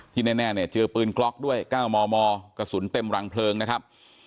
แน่เนี่ยเจอปืนกล็อกด้วย๙มมกระสุนเต็มรังเพลิงนะครับ